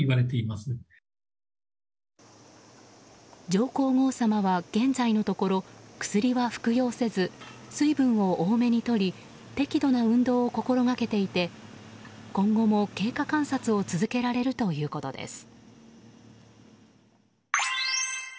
上皇后さまは現在のところ薬は服用せず、水分を多めに取り適度な運動を心掛けていて今後も経過観察を続けられるということです。